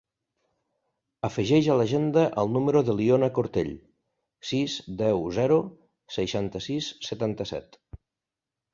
Afegeix a l'agenda el número de l'Iona Cortell: sis, deu, zero, seixanta-sis, setanta-set.